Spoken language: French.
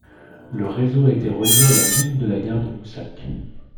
Le réseau a été relié à la ligne de la gare de Moosach.